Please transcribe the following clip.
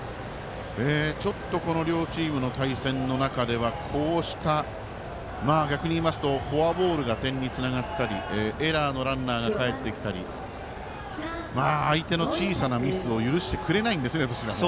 ちょっとこの両チームの対戦の中ではこうした、逆に言いますとフォアボールが点につながったりエラーのランナーがかえってきたり相手の小さなミスを許してくれないんですね。